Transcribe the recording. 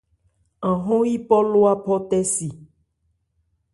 An hɔ́n yípɔ ló áphɔtɛ́si.